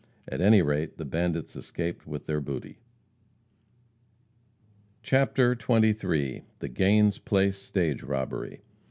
At any rate, the bandits escaped with their booty. CHAPTER XXIII. THE GAINS' PLACE STAGE ROBBERY.